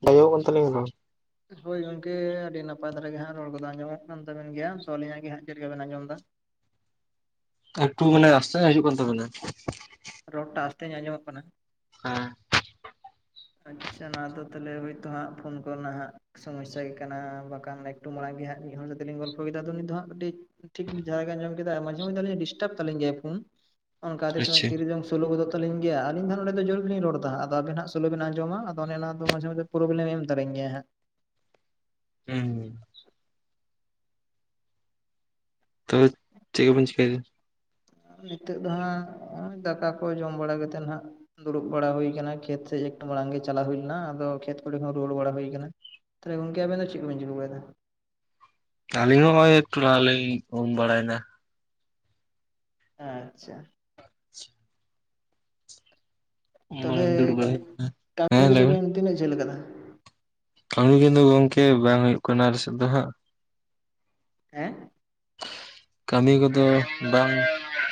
[unintelligible] ᱟᱸᱡᱚᱢᱚᱜ ᱠᱟᱱ ᱛᱟᱞᱤᱧᱟ ᱨᱚᱲ? ᱦᱳᱭ ᱜᱚᱝᱠᱮ ᱟᱹᱰᱤ ᱱᱟᱯᱟᱭ ᱫᱷᱟᱨᱟ ᱜᱮ ᱦᱟᱸᱜ ᱨᱚᱲ ᱠᱚᱫᱚ ᱟᱸᱡᱚᱢᱼᱚᱜ ᱠᱟᱱ ᱛᱟᱵᱮᱱ ᱜᱮᱭᱟ ᱛᱳ ᱟᱹᱞᱤᱧᱟᱜ ᱜᱮ ᱦᱟᱸᱜ ᱪᱮᱫ ᱞᱮᱠᱟ ᱵᱮᱱ ᱟᱸᱡᱚᱢ ᱫᱟ? ᱮᱠᱴᱩ ᱢᱟᱱᱮ ᱟᱥᱛᱮ ᱧᱚᱜ ᱦᱤᱡᱩᱜ ᱠᱟᱱ ᱛᱟᱵᱮᱱᱟ ᱨᱚᱲ ᱴᱟᱜ ᱟᱹᱥ ᱛᱮ ᱧᱚᱜ ᱟᱸᱡᱚᱢᱚᱜ ᱠᱟᱱᱟ ᱦᱮᱸ ᱟᱪᱪᱷᱟ ᱚᱱᱟ ᱫᱚ ᱛᱟᱦᱞᱮ ᱦᱳᱭ ᱛᱚ ᱦᱟᱸᱜ ᱯᱷᱳᱱ ᱠᱚᱨᱮ ᱱᱟ ᱦᱟᱸᱜ ᱥᱚᱢᱚᱥᱟ ᱜᱮ ᱠᱟᱱᱟ ᱵᱟᱠᱷᱟᱱ ᱮᱠᱴᱩ ᱢᱟᱲᱟᱝ ᱜᱮ ᱦᱟᱸᱜ ᱢᱤᱫ ᱦᱚᱲ ᱥᱟᱛᱮ ᱞᱤᱧ ᱜᱚᱞᱯᱷᱚ ᱠᱮᱫᱟ ᱟᱫᱚ ᱩᱱᱤ ᱫᱚ ᱦᱟᱸᱜ ᱠᱟᱹᱴᱤᱡ ᱴᱷᱤᱠ ᱡᱷᱟ ᱜᱮ ᱟᱸᱡᱚᱢ ᱠᱮᱫᱟᱭ ᱢᱟᱡᱷᱮ ᱢᱚᱫᱷᱮ ᱟᱹᱞᱤᱧᱟᱜ ᱰᱤᱥᱴᱟᱵ ᱛᱟᱞᱤᱧ ᱜᱮᱭᱟᱭ ᱯᱷᱩᱱ ᱚᱱᱠᱟ ᱟᱫᱷᱮᱠ ᱥᱚᱢᱚᱭ ᱟᱪᱪᱷᱟ ᱛᱤᱨᱮ ᱪᱚᱝ ᱥᱳᱞᱳ ᱜᱚᱫᱚᱜ ᱛᱟᱞᱤᱧ ᱜᱮᱭᱟ ᱟᱹᱞᱤᱧ ᱫᱚ ᱱᱚᱰᱮ ᱫᱚ ᱡᱳᱨ ᱜᱮ ᱞᱤᱧ ᱨᱚᱲ ᱫᱟ ᱦᱟᱸᱜ ᱟᱫᱚ ᱟᱵᱤᱱ ᱦᱟᱸᱜ ᱥᱳᱞᱳ ᱵᱮᱱ ᱟᱸᱡᱚᱢᱟ ᱟᱫᱚ ᱚᱱᱮ ᱚᱱᱟ ᱫᱚ ᱢᱟᱡᱷᱮ ᱢᱚᱫᱷᱮ ᱯᱨᱚᱵᱞᱮᱢ ᱮᱢ ᱛᱟᱞᱤᱧ ᱜᱮᱭᱟᱭ ᱦᱟᱸᱜ [unintelligible] ᱛᱚ ᱪᱮᱫ ᱠᱚ ᱵᱮᱱ ᱪᱤᱠᱟᱹᱭᱫᱟ? ᱱᱤᱛᱳᱜ ᱫᱚ ᱦᱟᱸᱜ ᱚᱭ ᱫᱟᱠᱟ ᱠᱚ ᱡᱚᱢ ᱵᱟᱲᱟ ᱠᱟᱛᱮᱫ ᱱᱟᱦᱟᱸᱜ ᱫᱩᱲᱩᱵ ᱵᱟᱲᱟ ᱦᱩᱭ ᱠᱟᱱᱟ ᱠᱷᱮᱛ ᱥᱮ ᱮᱠᱴᱩ ᱢᱟᱲᱟᱝ ᱜᱮ ᱪᱟᱞᱟᱣ ᱦᱩᱭ ᱞᱮᱱᱟ ᱟᱫᱚ ᱠᱷᱮᱛ ᱠᱚᱨᱮ ᱦᱚᱸ ᱨᱩᱣᱟᱹᱲ ᱵᱟᱲᱟ ᱦᱩᱭ ᱠᱟᱱᱟ ᱛᱟᱦᱚᱞᱮ ᱜᱚᱝᱠᱮ ᱟᱵᱮᱱ ᱫᱚ ᱪᱮᱫ ᱠᱚ ᱵᱮᱱ ᱪᱤᱠᱟᱹ ᱵᱟᱲᱟᱭᱫᱟ? ᱟᱹᱞᱤᱧ ᱦᱚᱸ ᱦᱚᱸᱜᱼᱚᱭ ᱮᱠᱴᱩ ᱢᱟᱲᱟᱝ ᱞᱤᱧ ᱩᱢ ᱵᱟᱲᱟᱭᱱᱟ ᱟᱪᱪᱷᱟ ᱩᱢ ᱵᱟᱲᱟ ᱛᱟᱦᱞᱮ ᱫᱩᱲᱩᱵ ᱵᱟᱲᱟ ᱦᱩᱭ ᱠᱟᱱᱟ᱾ ᱠᱟᱹᱢᱤ ᱦᱮᱸ ᱠᱚ ᱞᱟᱹᱭ ᱫᱚ ᱵᱮᱱ ᱛᱤᱱᱟᱹᱜ ᱡᱷᱟᱹᱞ ᱠᱟᱫᱟ? ᱠᱟᱹᱢᱤ ᱠᱚᱫᱚ ᱜᱚᱝᱠᱮ ᱵᱟᱝ ᱦᱩᱭᱩᱜ ᱠᱟᱱᱟ ᱟᱞᱮ ᱥᱮᱫ ᱫᱚ ᱦᱟᱸᱜ ᱦᱮᱸ? ᱠᱟᱹᱢᱤ ᱠᱚᱫᱚ ᱵᱟᱝ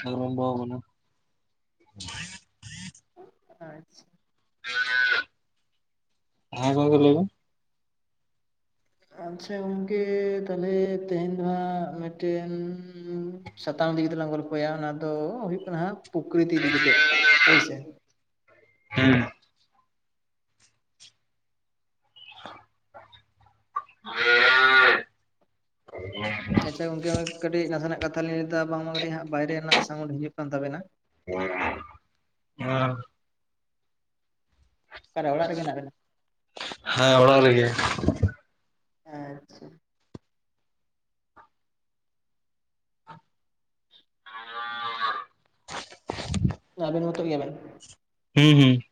ᱟᱨᱟᱢᱵᱚ ᱠᱟᱱᱟ [unintelligible] ᱠᱚᱞᱮᱡᱽ ᱦᱮᱸ ᱜᱚᱝᱠᱮ ᱞᱟᱹᱭ ᱢᱮ ᱟᱪᱪᱷᱟ ᱜᱚᱝᱠᱮ ᱛᱟᱦᱞᱮ ᱛᱮᱦᱮᱧ ᱫᱚ ᱦᱟᱸᱜ ᱢᱤᱫ ᱴᱮᱱ ᱥᱟᱛᱟᱢ ᱤᱫᱤ ᱠᱟᱛᱮᱫ ᱞᱟᱝ ᱜᱚᱞ ᱯᱷᱚᱭᱟ ᱚᱱᱟ ᱫᱚ ᱦᱩᱭᱩᱜ ᱠᱟᱱᱟ ᱯᱚᱠᱨᱤᱛᱤ ᱤᱫᱤ ᱠᱟᱛᱮᱫ ᱦᱳᱭ ᱥᱮ ᱦᱮᱸ [inaudible] [inaudible] ᱟᱪᱪᱷᱟ ᱜᱚᱝᱠᱮ ᱠᱟᱹᱴᱤᱡ ᱱᱟᱥᱮ ᱱᱟᱜ ᱠᱟᱛᱷᱟ ᱞᱤᱧ ᱞᱟᱹᱭ ᱫᱟ ᱵᱟᱝ ᱢᱟ ᱠᱟᱹᱴᱤᱡ ᱵᱟᱭᱨᱮ ᱨᱮᱱᱟᱜ ᱥᱟᱣᱩᱱᱰ ᱦᱤᱡᱩᱜ ᱠᱟᱱ ᱛᱟᱵᱮᱱᱟ [inaudible] [unintelligible] ᱚᱠᱟ ᱨᱮ ᱚᱲᱟᱜ ᱨᱮᱜᱮ ᱦᱮᱱᱟᱜ ᱵᱤᱱᱟ ᱦᱮᱸ ᱚᱲᱟᱜ ᱨᱮᱜᱮ ᱟᱪᱪᱷᱟ [inaudible] ᱟᱵᱮᱱ ᱢᱚᱛᱚᱜ ᱜᱮᱭᱟ ᱵᱮᱱ ᱦᱩᱸ ᱦᱩᱸ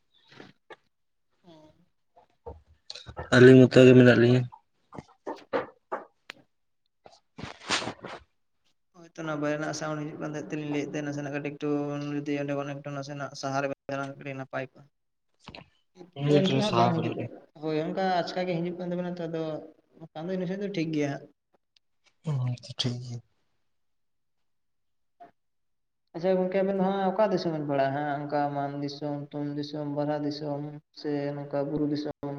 ᱟᱹᱞᱤᱧ ᱢᱚᱛᱚ ᱜᱮ ᱢᱮᱱᱟᱜ ᱞᱤᱧᱟᱹ [inaudible] [inaudible] ᱚᱱᱟ ᱵᱟᱭᱟᱨ ᱨᱮᱱᱟᱜ ᱥᱟᱣᱩᱱᱰ ᱦᱤᱡᱩᱜ ᱠᱟᱱ ᱛᱟᱦᱮᱸ ᱛᱮᱞᱤᱧ ᱞᱟᱹᱭᱮᱫ ᱛᱟᱦᱮᱸᱱ ᱱᱟᱥᱮᱱᱟᱜ ᱠᱟᱹᱴᱤᱡ ᱮᱴᱩ ᱡᱩᱫᱤ ᱚᱸᱰᱮ ᱠᱷᱚᱱ ᱮᱠᱴᱩ ᱱᱟᱥᱮᱱᱟᱜ ᱥᱟᱦᱟᱨᱮᱵᱮ [unintelligible] ᱱᱟᱯᱟᱭ [unintelligible] ᱢᱤᱫ ᱟ ᱢᱤᱱᱤᱴ ᱱᱤᱛᱚᱜ ᱞᱤᱧ ᱫᱚ ᱦᱟᱜ ᱥᱟᱦᱟᱣ ᱵᱟᱝ ᱦᱤᱡᱩᱜ ᱠᱟᱱᱟᱞᱤᱧ ᱠᱟᱱᱟ ᱦᱳᱭ ᱚᱱᱠᱟ ᱟᱪᱠᱟ ᱜᱮ ᱦᱤᱡᱩᱜ ᱠᱟᱱ ᱛᱟᱵᱮᱱᱟ ᱛᱚ ᱟᱫᱚ ᱤᱱᱟ. ᱠᱷᱟᱱ ᱫᱚ ᱴᱷᱤᱠ ᱜᱮᱭᱟ ᱦᱟᱸᱜ ᱚ ᱟᱪᱪᱷᱟ ᱴᱷᱤᱠ ᱜᱮᱭᱟ ᱟᱪᱷᱟ ᱜᱚᱝᱠᱮ ᱟᱵᱮᱱ ᱫᱚ ᱦᱟᱸᱜ ᱚᱠᱟ ᱫᱤᱥᱚᱢ ᱵᱮᱱ ᱯᱟᱲᱟᱜᱼᱟ ᱦᱟᱸᱜ ᱚᱱᱠᱟ ᱢᱟᱱ ᱫᱤᱥᱚᱢ ᱛᱩᱢ ᱫᱤᱥᱚᱢ ᱵᱟᱨᱟ ᱫᱤᱥᱚᱢ ᱥᱮ ᱱᱚᱝᱠᱟ ᱵᱩᱨᱩ ᱫᱤᱥᱚᱢ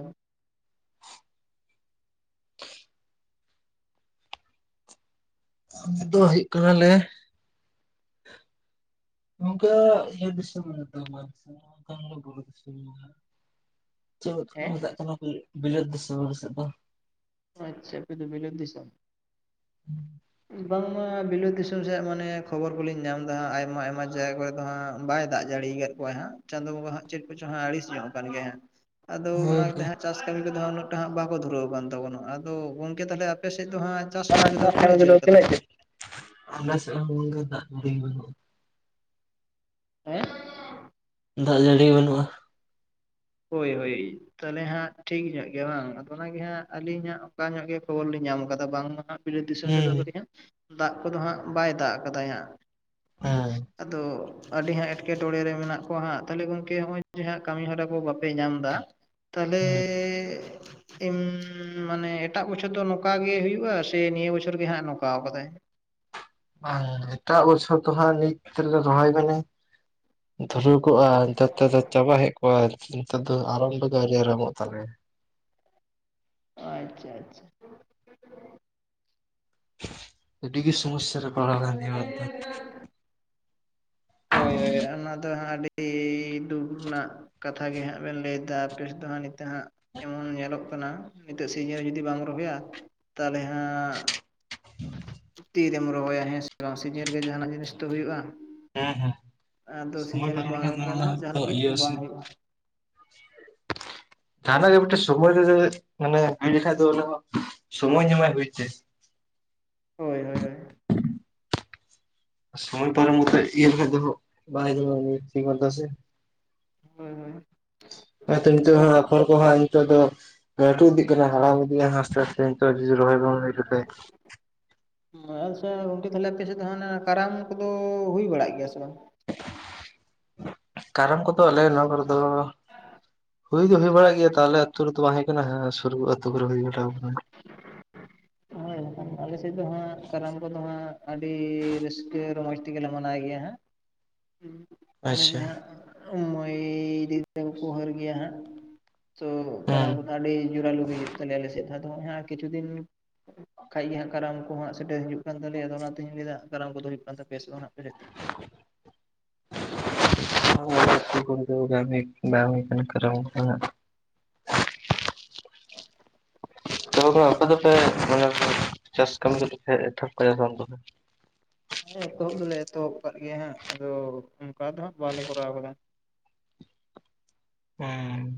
ᱟᱞᱮ ᱫᱚ ᱦᱳᱭᱳᱜ ᱠᱟᱱᱟ ᱞᱮ ᱜᱚᱢᱠᱮ ᱟᱞᱮ ᱫᱤᱥᱚᱢ ᱫᱚ ᱢᱟᱱ ᱫᱤᱥᱚᱢ ᱦᱚ ᱵᱟᱝ ᱠᱟᱱᱟᱞᱮ ᱵᱩᱨᱩ ᱫᱤᱥᱚᱢ ᱦᱚ ᱵᱟᱝ ᱠᱟᱱᱟᱞᱮ ᱪᱮᱫ ᱠᱚ ᱦᱮᱸ ᱢᱮᱛᱟᱜ ᱠᱟᱱᱟ ᱵᱤᱞᱟᱹᱛ ᱫᱤᱥᱚᱢ ᱟᱞᱮ ᱥᱮᱫ ᱫᱚ ᱟᱪᱪᱷᱟ ᱟᱯᱮ ᱫᱚ ᱵᱤᱞᱟᱹᱛ ᱫᱤᱥᱚᱢ [inaudible] ᱵᱟᱝᱢᱟ ᱵᱤᱞᱟᱹᱛ ᱫᱤᱥᱚᱢ ᱥᱮᱫ ᱢᱟᱱᱮ ᱠᱷᱚᱵᱚᱨ ᱠᱚᱞᱤᱧ ᱧᱟᱢ ᱫᱟ ᱟᱭᱢᱟ ᱟᱭᱢᱟ ᱡᱟᱭᱜᱟ ᱠᱚᱨᱮ ᱫᱚ ᱦᱟᱸᱜ ᱵᱟᱭ ᱫᱟᱜ ᱡᱟᱹᱲᱤ ᱟᱠᱟᱫ ᱠᱚᱣᱟᱭ ᱦᱟᱸᱜ ᱪᱟᱸᱫᱳ ᱵᱚᱸᱜᱟ ᱦᱟᱸᱜ ᱪᱮᱫ ᱠᱚᱪᱚᱝ ᱦᱟᱸᱜ ᱟᱹᱲᱤᱥ ᱧᱚᱜ ᱟᱠᱟᱱ ᱜᱮᱭ ᱦᱟᱸᱜ ᱟᱫᱚ ᱚᱱᱟ ᱦᱳᱭ ᱦᱳᱭ [unintelligible] ᱪᱟᱥ ᱠᱟᱹᱢᱤ ᱠᱚᱫᱚ ᱦᱟᱸᱜ ᱩᱱᱟ. ᱜ ᱴᱟ ᱦᱟᱜ ᱵᱟᱠᱚ ᱫᱷᱩᱨᱟᱹᱣ ᱟᱠᱟᱱ ᱛᱟᱵᱚᱱᱟ ᱟᱫᱚ ᱜᱚᱝᱠᱮ ᱛᱟᱦᱚᱞᱮ ᱟᱯᱮᱥᱮᱫ ᱫᱚ ᱦᱟᱸᱜ ᱪᱟᱥ ᱠᱟᱹᱢᱤ ᱠᱚᱫᱚ ᱛᱤᱱᱟᱹᱜ ᱡᱷᱟᱹᱞ ᱠᱟᱫᱟ ᱯᱮ [unintelligible] ᱟᱞᱮ ᱥᱮᱫ ᱦᱚᱸ ᱜᱚᱢᱠᱮ ᱫᱟᱜ ᱡᱟ. ᱲᱤ ᱵᱟᱹᱱᱩᱜᱼᱟ ᱦᱮᱸ ᱫᱟᱜ ᱡᱟᱺᱲᱤ ᱵᱟᱹᱱᱩᱜᱼᱟ ᱦᱳᱭ ᱦᱳᱭ ᱛᱟᱦᱚᱞᱮ ᱦᱟᱸᱜ ᱴᱷᱤᱠ ᱧᱚᱜ ᱜᱮᱭᱟ ᱵᱟᱝ ᱟᱫᱚ ᱚᱱᱟᱜᱤ ᱦᱟᱸᱜ ᱟᱹᱞᱤᱧ ᱦᱟᱜ ᱚᱱᱠᱟ ᱧᱚᱜ ᱜᱮ ᱠᱷᱚᱵᱚᱨ ᱞᱤᱧ ᱧᱟᱢ ᱠᱟᱫᱟ ᱵᱟᱝᱢᱟ ᱵᱤᱞᱟᱹᱛ ᱫᱤᱥᱚᱢ ᱥᱮ ᱫᱚ ᱦᱩᱸ ᱦᱮᱸ ᱠᱟᱹᱴᱤᱡ ᱦᱟᱸᱜ ᱫᱟᱜ ᱠᱚᱫᱚ ᱦᱟᱸᱜ ᱵᱟᱭ ᱫᱟᱜ ᱠᱟᱫᱟᱭ ᱦᱟᱸᱜ ᱟᱫᱚ ᱟᱹᱰᱤ ᱦᱟᱸᱜ ᱮᱸᱴᱠᱮᱴᱚᱬᱮ ᱨᱮ ᱢᱮᱱᱟᱜ ᱠᱚᱣᱟ ᱦᱟᱸᱜ ᱛᱟᱦᱞᱮ ᱜᱚᱢᱠᱮ ᱱᱚᱜᱚᱭ ᱡᱮ ᱦᱟᱸᱜ ᱠᱟᱹᱢᱤᱦᱚᱨᱟ ᱠᱚ ᱵᱟᱯᱮ ᱧᱟᱢᱫᱟ ᱛᱟᱦᱞᱮ ᱦᱩᱸ ᱮᱢ ᱢᱟᱱᱮ ᱮᱴᱟᱜ ᱵᱚᱪᱷᱚᱨ ᱫᱚ ᱱᱚᱠᱟ ᱜᱮ ᱦᱩᱭᱩᱜᱼᱟ ᱥᱮ ᱱᱤᱭᱟᱹ ᱵᱚᱪᱷᱚᱨ ᱜᱮ ᱦᱟᱸᱜ ᱱᱚᱠᱟᱣ ᱠᱟᱫᱟᱭ? ᱵᱟᱝ ᱮᱴᱟᱜ ᱵᱚᱪᱷᱚᱨ ᱫᱚ ᱦᱟᱸᱜ ᱱᱤᱛ ᱨᱚᱦᱚᱭ ᱢᱟᱱᱮ, ᱫᱷᱩᱨᱟᱹᱣ ᱠᱚᱜᱼᱟ, ᱱᱤᱛᱟᱨ ᱛᱮᱫᱚ ᱪᱟᱵᱟ ᱦᱮᱡ ᱠᱚᱜᱼᱟ ᱾ ᱱᱮᱛᱟᱨ ᱫᱚ ᱟᱨᱟᱢᱵᱚ ᱛᱟᱞᱮᱭᱟ ᱾ ᱟᱪᱪᱷᱟ ᱟᱪᱪᱷᱟ, ᱟᱹᱰᱤ ᱜᱮ ᱥᱚᱥᱥᱟ ᱨᱮ ᱯᱟᱲᱟᱣ ᱠᱟᱱᱟ ᱟᱞᱮ ᱫᱚ ᱦᱳᱭ ᱦᱳᱭ ᱚᱱᱟ ᱫᱚ ᱦᱟᱸᱜ ᱟᱹᱰᱤ ᱫᱩᱠ ᱨᱮᱱᱟᱜ ᱠᱟᱛᱷᱟ ᱜᱮ ᱦᱟᱸᱜ ᱵᱮᱱ ᱞᱟᱹᱭᱮᱫᱟ ᱟ ᱠᱮᱥ ᱫᱚ ᱦ ᱱᱤᱛ ᱦᱟᱸᱜ ᱮᱢᱚᱱ ᱧᱮᱞᱚᱜ ᱠᱟᱱᱟ, ᱱᱤᱛᱟᱹᱜ ᱥᱤᱡᱤᱱ ᱡᱩᱫᱤ ᱵᱟᱢ ᱨᱚᱦᱚᱭᱟ ᱛᱟᱦᱚᱞᱮ ᱦᱟᱸᱜ ᱛᱤᱨᱮᱢ ᱨᱚᱦᱚᱭᱟ ᱦᱮᱸ ᱥᱮ ᱵᱟᱝ ᱥᱤᱡᱟᱹᱱ ᱨᱮᱜᱮ ᱡᱟᱦᱟᱱᱟᱜ ᱡᱤᱱᱤᱥ ᱫᱚ ᱦᱩᱭᱩᱜᱼᱟ ᱾ ᱦᱮᱸ ᱦᱮᱸ ᱥᱚᱢᱚᱭ ᱯᱟᱨᱚᱢ ᱵᱟᱝ ᱞᱮᱠᱷᱟᱱ ᱨᱚᱦᱚᱭ ᱫᱚ ᱚᱱᱟᱮ ᱦᱟᱸᱜ ᱛᱚ ᱡᱟᱦᱟᱱᱟᱜ ᱜᱮ ᱤᱭᱟᱹ ᱥᱮ ᱵᱟᱝ ᱦᱩᱭᱩᱜᱼᱟ ᱡᱟᱦᱱᱟᱜ ᱜᱮ ᱢᱤᱫᱴᱮᱱ ᱥᱚᱢᱚᱭ ᱨᱮ ᱨᱮ ᱢᱟᱱᱮ ᱦᱩᱭ ᱞᱮᱠᱷᱟᱱᱡ ᱫᱚ ᱚᱱᱟ ᱦᱚᱸ ᱥᱚᱢᱚᱭ ᱧᱟᱢᱟᱭ ᱦᱩᱭ ᱛᱮ ᱦᱳᱭ ᱦᱳᱭ ᱦᱳᱭ, ᱥᱚᱢᱚᱭ ᱯᱟᱨᱚᱢ ᱜᱚᱛᱮᱡ ᱤᱭᱟᱹ ᱞᱤᱠᱷᱟᱡ ᱫᱚ ᱵᱟᱭ [unintelligible] ᱥᱮ, ᱦᱳᱭ ᱦᱳᱭ ᱦᱳᱭ, ᱦᱭᱛᱚ ᱱᱤᱛᱚᱜ ᱠᱷᱚᱨ ᱠᱚ ᱦᱟᱸᱜ ᱱᱤᱛᱚᱜ ᱫᱚ ᱞᱟᱹᱴᱩ ᱤᱫᱤ ᱠᱟᱱᱟ ᱦᱟᱲᱟᱢ ᱤᱫᱤ ᱟᱦᱸ ᱟᱥᱛᱮ ᱟᱥᱛᱮ ᱢᱟ ᱟᱪᱷᱟ ᱜᱚᱝᱠᱮ ᱛᱟᱦᱞᱮ ᱟᱯᱮ ᱥᱮᱫ ᱫᱚ ᱦᱟᱸᱱᱟ ᱠᱟᱨᱟᱢ ᱠᱚᱫᱚ ᱦᱩᱭ ᱵᱟᱲᱟᱜ ᱜᱮᱭᱟ ᱥᱮ ᱵᱟᱝ? ᱠᱟᱨᱟᱢ ᱠᱚᱫᱚ ᱟᱞᱮᱱᱟᱞ ᱠᱚᱨᱮ ᱫᱚ ᱦᱩᱭ ᱫᱚ ᱦᱩᱭ ᱵᱟᱲᱟᱜ ᱜᱮᱭᱟ ᱛᱟᱦᱚᱞᱮ ᱟᱹᱛᱩ ᱨᱮᱫᱚ ᱵᱟᱝ ᱦᱩᱭ ᱠᱟᱱᱟ ᱦᱮᱸ ᱥᱩᱨ ᱟᱹᱛᱩ ᱠᱚᱨᱮ ᱦᱩᱭ ᱵᱟᱲᱟᱣ ᱠᱟᱱᱟ ᱾ [inaudible] ᱦᱳᱭ ᱟᱞᱮ ᱥᱮᱫ ᱫᱚ ᱦᱟᱸᱜ ᱠᱟᱨᱟᱢ ᱠᱚ ᱫᱚ ᱦᱟᱸᱜ ᱟᱹᱰᱤ ᱨᱟᱹᱥᱠᱟᱹ ᱨᱚᱢᱚᱡᱽ ᱛᱮᱜᱮᱞᱮ ᱢᱟᱱᱟᱣ ᱜᱮᱭᱟ ᱦᱟᱸᱜ᱾ ᱚᱱᱮ ᱡᱮ ᱟᱪᱪᱷᱟ ᱦᱟᱸᱜ ᱢᱟᱹᱭ ᱫᱤᱫᱤ ᱛᱟᱠᱚ ᱠᱚ ᱦᱟᱸᱨ ᱜᱮᱭᱟ ᱦᱟᱸᱜ ᱾ ᱛᱚ ᱠᱟᱨᱟᱢ ᱦᱩᱸ ᱠᱚᱫᱚ ᱟᱹᱰᱤ ᱡᱳᱨᱟᱞᱩᱜ ᱜᱮ ᱦᱩᱭᱩᱜ ᱛᱟᱞᱮᱭᱟ ᱟᱞᱮ ᱥᱮᱫ ᱟᱫᱚ ᱦᱮ ᱠᱤᱪᱷᱩ ᱫᱤᱱ, ᱵᱟᱟᱡ ᱜᱮ ᱦᱜ ᱠᱟᱨᱟᱢ ᱠᱚ ᱦᱟᱸᱟᱜ ᱥᱮᱴᱮᱨ ᱦᱩᱭᱩᱜ ᱠᱟᱱ ᱛᱟᱞᱮᱭᱟ ᱟᱫᱚ ᱚᱱᱟᱛᱮᱧ ᱞᱟᱹᱭᱮᱫᱟ ᱠᱟᱨᱟᱢ ᱠᱚᱫᱚ ᱦᱩᱭᱩᱜ ᱠᱟᱱ ᱛᱟᱯᱮᱭᱟ ᱥᱮ ᱵᱟᱝ ᱦᱟᱸᱜ, [inaudible] [unintelligible] ᱦᱩᱸ ᱟᱯᱮ ᱫᱚᱯᱮ ᱢᱟᱱᱮ ᱪᱟᱥ ᱠᱟᱹᱢᱤ ᱫᱚ ᱮᱛᱚᱦᱚᱵ ᱠᱟᱫᱟ ᱥᱮ ᱵᱟᱝ ᱛᱚᱵᱮ? ᱦᱮᱸ ᱮᱛᱚᱦᱚᱵ ᱫᱚᱞᱮ ᱮᱛᱚᱦᱚᱵ ᱟᱠᱟᱫ ᱜᱮᱭᱟ ᱦᱟᱸᱜ ᱟᱫᱚ ᱚᱱᱠᱟ ᱫᱚ ᱦᱟᱸᱜ ᱵᱟᱞᱮ ᱠᱚᱨᱟᱣ ᱠᱟᱫᱟ ᱾ ᱦᱮᱸ,